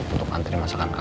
untuk antri masakan dia